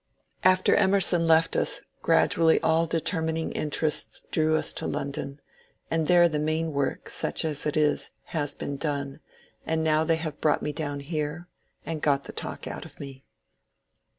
JOHN CARLYLE 103 After Emerson left us gradually all determining interests drew us to London, and there the main work, such as it is, has been done, and now they have brought me down here, and got the talk out of me.